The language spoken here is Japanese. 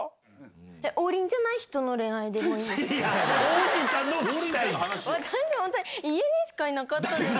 王林じゃない人の恋愛でもいいんですか？